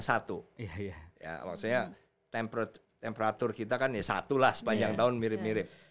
maksudnya temperatur kita kan ya satu lah sepanjang tahun mirip mirip